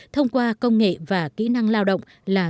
thông qua công nghệ và kỹ năng lao động